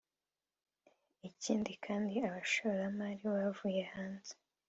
Ikindi kandi abashoramari bavuye hanze